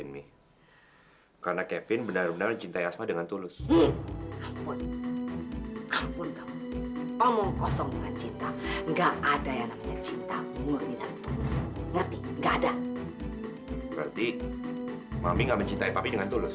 menginap di sini lagi